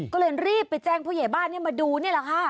ก็เลยรีบไปแจ้งผู้ใหญ่บ้านให้มาดูนี่แหละค่ะ